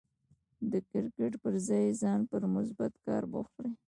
د کرکټ پر ځای ځان په مثبت کار بوخت کړئ.